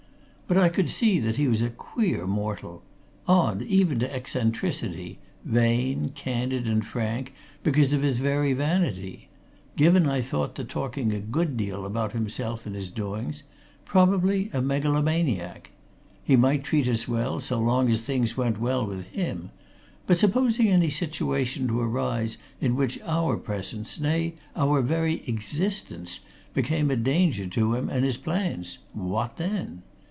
But I could see that he was a queer mortal; odd, even to eccentricity; vain, candid and frank because of his very vanity; given, I thought, to talking a good deal about himself and his doings; probably a megalomaniac. He might treat us well so long as things went well with him, but supposing any situation to arise in which our presence, nay, our very existence, became a danger to him and his plans what then?